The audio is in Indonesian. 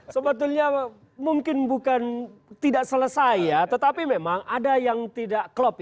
sebetulnya mungkin bukan tidak selesai ya tetapi memang ada yang tidak klop ya